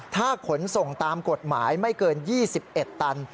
ถ้าขนส่งตามกฎหมายไม่เกิน๒๑ตัน